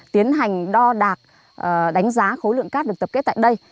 tiến hành đo đạc đánh giá khối lượng cát được tập kết tại đây